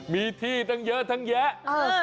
มีที่ตั้งเยอะตั้งแยะ